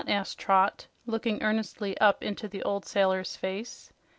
asked Trot, looking earnestly up into the old sailor's face.